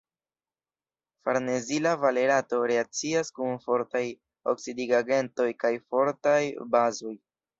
Farnezila valerato reakcias kun fortaj oksidigagentoj kaj fortaj bazoj.